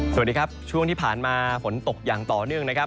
สวัสดีครับช่วงที่ผ่านมาฝนตกอย่างต่อเนื่องนะครับ